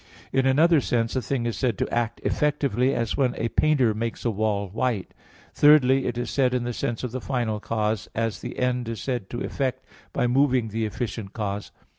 In another sense a thing is said to act effectively, as when a painter makes a wall white. Thirdly, it is said in the sense of the final cause, as the end is said to effect by moving the efficient cause.